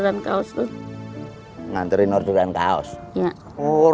lo cukup hampir udah ditebak lah ya gue